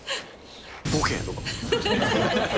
ボケ！とか。